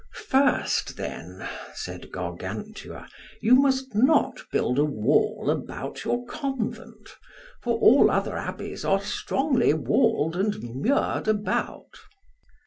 First, then, said Gargantua, you must not build a wall about your convent, for all other abbeys are strongly walled and mured about.